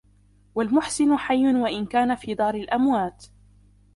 وَالْمُحْسِنُ حَيٌّ وَإِنْ كَانَ فِي دَارِ الْأَمْوَاتِ